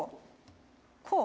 こう？」